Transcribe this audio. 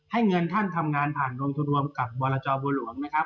ให้เงินท่านทำงานผ่านกองทุนรวมกับบรจอบัวหลวงนะครับ